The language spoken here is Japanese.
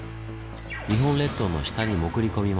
日本列島の下に潜り込みます。